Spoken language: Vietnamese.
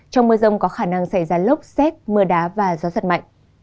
trong mưa rông có khả năng xảy ra lốc xét mưa đá và gió giật mạnh